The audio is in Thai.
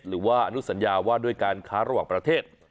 หรือว่าอนุสัญญาว่าด้วยการค้าระหว่างประเทศ